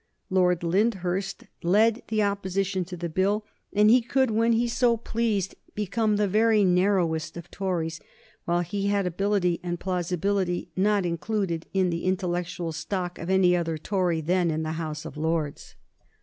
Lord Lyndhurst led the opposition to the Bill, and he could, when he so pleased, become the very narrowest of Tories, while he had ability and plausibility not included in the intellectual stock of any other Tory then in the House of Lords.